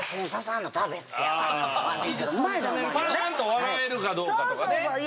笑えるかどうかとかね。